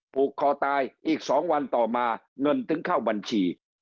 ผูกคอตายอีก๒วันต่อมาเงินถึงเข้าบัญชี